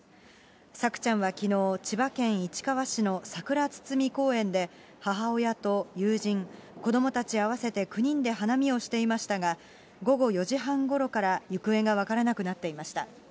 朔ちゃんはきのう、千葉県市川市のさくら堤公園で母親と友人、子どもたち合わせて９人で花見をしていましたが、午後４時半ごろから行方が分からなくなっていました。